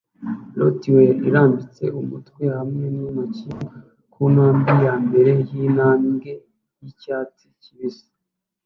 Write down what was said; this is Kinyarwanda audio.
Rottweiller irambitse umutwe hamwe nintoki ku ntambwe yambere yintambwe yicyatsi kibisi